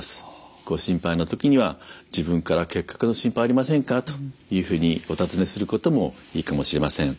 ご心配の時には自分から「結核の心配ありませんか？」というふうにお尋ねすることもいいかもしれません。